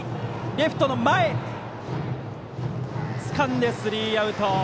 レフトがつかんでスリーアウト。